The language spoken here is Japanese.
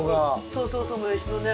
そうそうそうもやしのね。